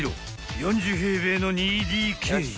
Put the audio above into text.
［４０平米の２ＤＫ］